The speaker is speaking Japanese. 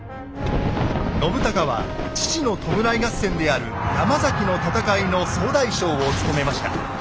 信孝は父の弔い合戦である「山崎の戦い」の総大将を務めました。